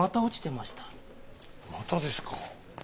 またですか。